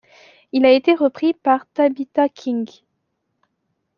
Il a été repris par Tabitha King.